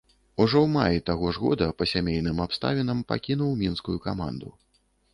Ужо ў маі таго ж года па сямейным абставінам пакінуў мінскую каманду.